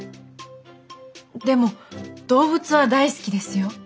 でも動物は大好きですよ。